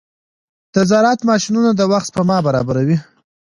د زراعت ماشينونه د وخت سپما برابروي.